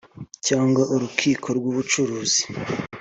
cyangwa uw’urukiko rw’ubucuruzi